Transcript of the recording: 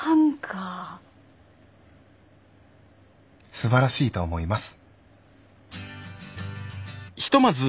すばらしいと思います。